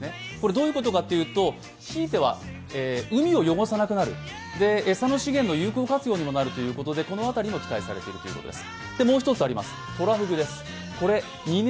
どういうことかというとひいては海を汚さなくなる餌の資源の有効活用にもなるということでこの辺も期待されているということです。